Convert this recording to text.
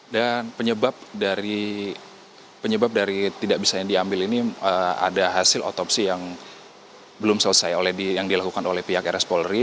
dan penyebab dari tidak bisa diambil ini ada hasil otopsi yang belum selesai yang dilakukan oleh pihak rs polri